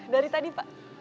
dari tadi pak